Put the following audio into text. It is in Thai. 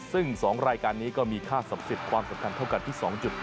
ซึ่ง๒รายการนี้ก็มีค่าศักดิ์สิทธิ์ความสำคัญเท่ากันที่๒๕